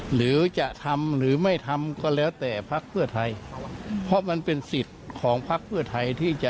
หรือจะยึดมั่นใน๘พักก็ได้